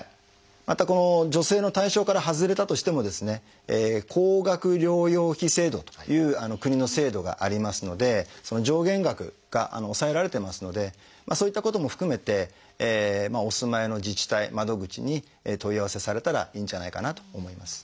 またこの助成の対象から外れたとしても高額療養費制度という国の制度がありますので上限額が抑えられてますのでそういったことも含めてお住まいの自治体窓口に問い合わせされたらいいんじゃないかなと思います。